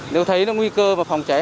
nếu thấy nó nguy cơ mà phòng cháy